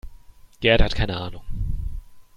Gerd hat keine Ahnung.